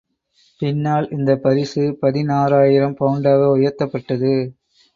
பின்னால் இந்தப் பரிசு பதினாயிரம் பவுண்டாக உயர்த்தப்பட்டது.